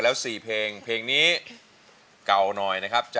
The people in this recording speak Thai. ร้องได้นะ